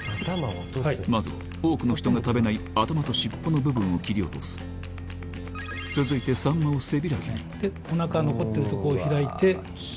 まずは多くの人が食べない頭と尻尾の部分を切り落とす続いておなか残ってるとこを開いて。